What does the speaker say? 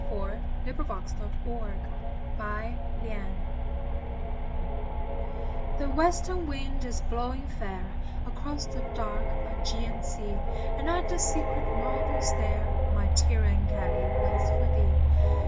SERENADE (for music) THE western wind is blowing fair Across the dark ^Egean sea, And at the secret marble stair My Tyrian galley waits for thee.